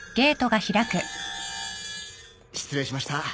失礼しました。